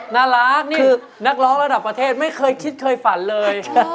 น่ารักนี่คือนักร้องระดับประเทศไม่เคยคิดเคยฝันเลย